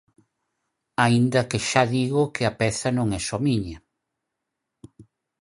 Aínda que xa digo que a peza non é só miña.